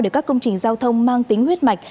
được các công trình giao thông mang tính huyết mạch